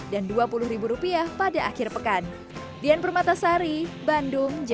dan dua puluh rupiah pada akhir pekan